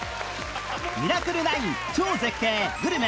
『ミラクル９』超絶景グルメ